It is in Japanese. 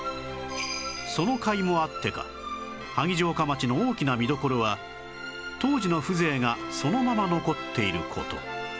そのかいもあってか萩城下町の大きな見どころは当時の風情がそのまま残っている事